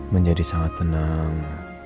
menjadi sangat tenang